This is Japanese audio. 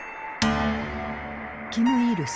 金日成。